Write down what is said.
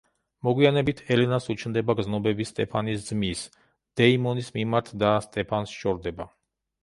მოგვიანებით, ელენას უჩნდება გრძნობები სტეფანის ძმის, დეიმონის მიმართ და სტეფანს შორდება.